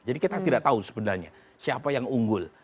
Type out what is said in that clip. jadi kita tidak tahu sebenarnya siapa yang unggul